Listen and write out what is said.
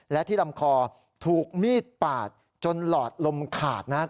และที่ลำคอถูกมีดปาดจนหลอดลมขาดนะครับ